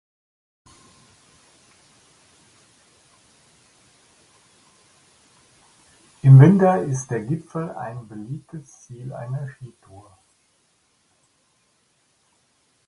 Im Winter ist der Gipfel ein beliebtes Ziel einer Skitour.